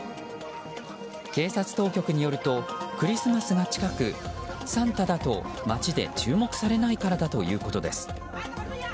警察当局によるとクリスマスが近くサンタだと街で注目されないからだということです。